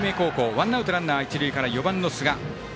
ワンアウト、ランナー、一塁から４番の寿賀。